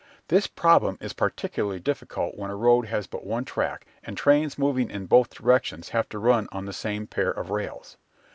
This problem is particularly difficult when a road has but one track and trains moving in both directions have to run on the same pair of rails.